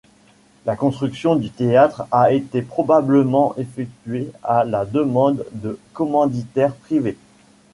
La construction du théâtre a été probablement effectuée à la demande de commanditaires privés.